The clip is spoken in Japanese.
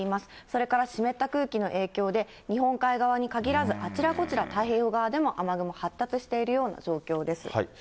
それから湿った空気の影響で、日本海側に限らず、あちらこちら、太平洋側でも雨雲発達しているような状況です。